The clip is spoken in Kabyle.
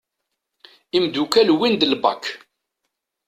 Imddukal wwin-d l BAK.